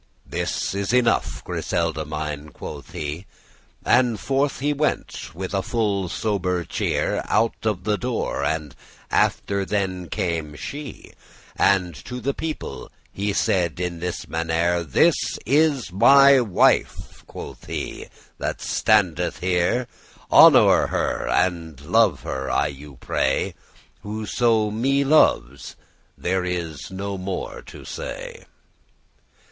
* *die "This is enough, Griselda mine," quoth he. And forth he went with a full sober cheer, Out at the door, and after then came she, And to the people he said in this mannere: "This is my wife," quoth he, "that standeth here. Honoure her, and love her, I you pray, Whoso me loves; there is no more to say."